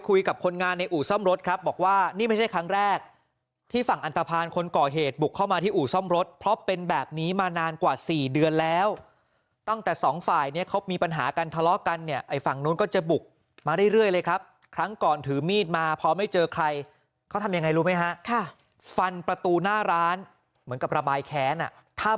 คุยกับคนงานในอู่ซ่อมรถครับบอกว่านี่ไม่ใช่ครั้งแรกที่ฝั่งอันตภัณฑ์คนก่อเหตุบุกเข้ามาที่อู่ซ่อมรถเพราะเป็นแบบนี้มานานกว่าสี่เดือนแล้วตั้งแต่สองฝ่ายเนี่ยเขามีปัญหากันทะเลาะกันเนี่ยไอ้ฝั่งนู้นก็จะบุกมาเรื่อยเลยครับครั้งก่อนถือมีดมาพอไม่เจอใครเขาทำยังไงรู้ไหมฮะค่ะฟันประตูหน้าร้านเหมือนกับระบายแค้นอ่ะถ้า